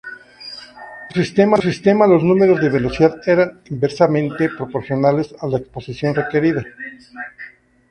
En su sistema, los números de velocidad eran inversamente proporcionales a la exposición requerida.